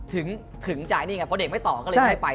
ถึงจ่ายนี่ไงเพราะเด็กไม่ต่อก็เลยได้ไป